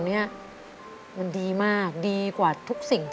มีใจมาก่อนเสนอ